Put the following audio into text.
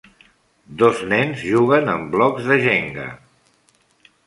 Dos nens juguen amb blocs de jenga.